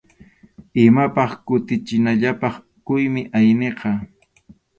Imapas kutichinallapaq quymi ayniqa.